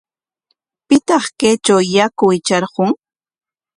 ¿Pitaq kaytraw yaku hitrarqun?